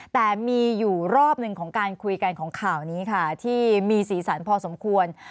แต่มีอยู่รอบหนึ่งของการคุยกันของข่าวนี้ค่ะที่มีสีสันพอสมควร